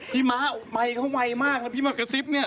พี่ม้ามัยเขาไวมากแล้วพี่มักกระซิบเนี่ย